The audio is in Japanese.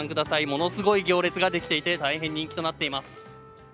ものすごい行列ができていて大変人気となっています。